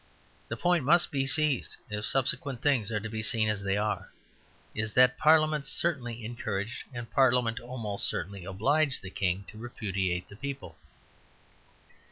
The point that must be seized, if subsequent things are to be seen as they are, is that Parliament certainly encouraged, and Parliament almost certainly obliged, the King to repudiate the people.